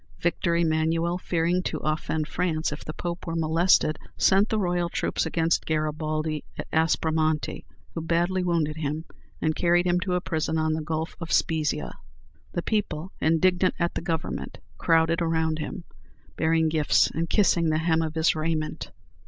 Victor Emmanuel, fearing to offend France, if the Pope were molested, sent the royal troops against Garibaldi at Aspromonte, who badly wounded him, and carried him to a prison on the Gulf of Spezzia. The people, indignant at the Government, crowded around him, bearing gifts, and kissing the hem of his raiment.